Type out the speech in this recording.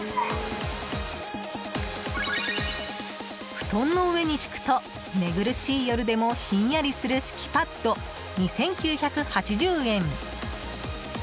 布団の上に敷くと寝苦しい夜でもひんやりする敷きパッド、２９８０円。